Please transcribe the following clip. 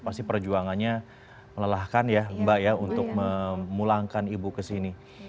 pasti perjuangannya melelahkan ya mbak ya untuk memulangkan ibu ke sini